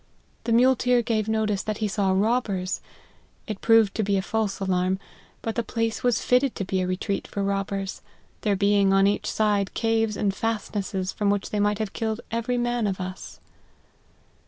The muleteer gave notice that he saw robbers. It proved to be a false alarm ; but the place was fitted to be a retreat for robbers ; there being on each side caves and fast nesses from which they might have killed every man of us.